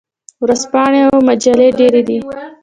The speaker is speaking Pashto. ورځپاڼې او مجلې ډیرې دي.